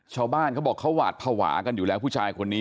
ชาวบ้านเขาบอกเขาหวาดภาวะกันอยู่แล้วผู้ชายคนนี้